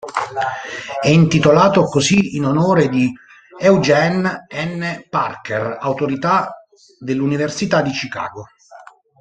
È intitolato così in onore di Eugene N. Parker, autorità dell'Università di Chicago.